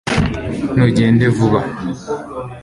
ntugende vuba